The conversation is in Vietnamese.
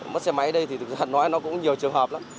mất xe máy ở đây thì thực nói nó cũng nhiều trường hợp lắm